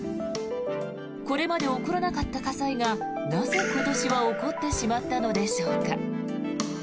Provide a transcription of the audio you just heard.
これまで起こらなかった火災がなぜ今年は起こってしまったのでしょうか。